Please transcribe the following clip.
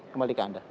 kembali ke anda